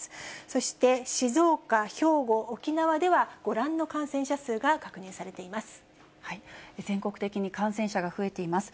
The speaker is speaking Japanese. そして静岡、兵庫、沖縄では、ご覧の感染者数が確認されていま全国的に感染者が増えています。